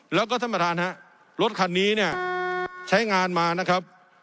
แล้วก็ท่านประธานฮะรถคันนี้เนี่ยใช้งานมานะครับ